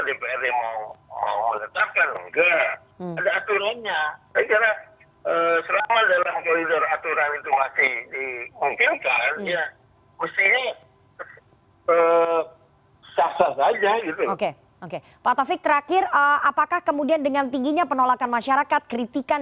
dibahas karena banyak masukan